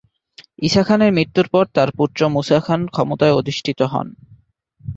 ঈসা খানের মৃত্যুর পর তার পুত্র মুসা খান ক্ষমতায় অধিষ্ঠিত হন।